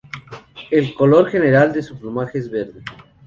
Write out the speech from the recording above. El color general de su plumaje es verde.